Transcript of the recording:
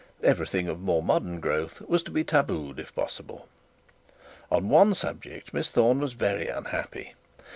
Everything of more modern growth was to be tabooed, if possible. On one subject Miss Thorne was very unhappy.